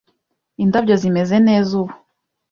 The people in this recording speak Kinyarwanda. Indabyo zimeze neza ubu.